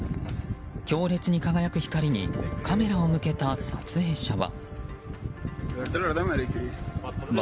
強烈に輝く光にカメラを向けた撮影者は。